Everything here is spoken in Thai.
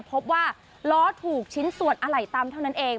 พบว่าล้อถูกชิ้นส่วนอะไหล่ตำเท่านั้นเอง